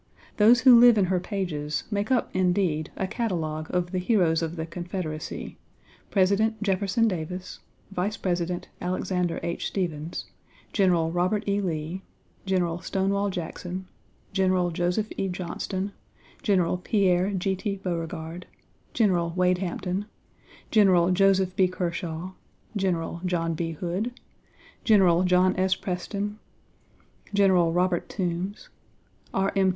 Those who live in her pages make up indeed a catalogue of the heroes of, the Confederacy President Jefferson Davis, Vice President Alexander H. Stephens, General Robert E. Lee, General "Stonewall" Jackson, General Joseph E. Johnston, General Pierre G. T. Beauregard, General Wade Hampton, General Joseph B. Kershaw, General John B. Hood, General John S. Preston, General Robert Toombs, R. M.